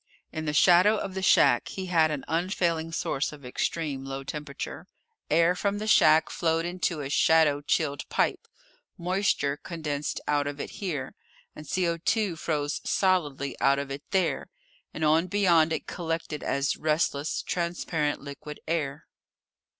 In the shadow of the shack he had an unfailing source of extreme low temperature. Air from the shack flowed into a shadow chilled pipe. Moisture condensed out of it here, and CO froze solidly out of it there, and on beyond it collected as restless, transparent liquid air.